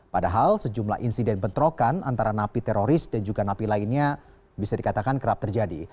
padahal sejumlah insiden bentrokan antara napi teroris dan juga napi lainnya bisa dikatakan kerap terjadi